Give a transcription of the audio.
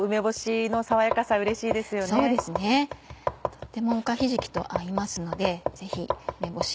とてもおかひじきと合いますのでぜひ梅干し。